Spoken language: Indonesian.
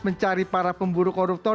mencari para pemburu koruptor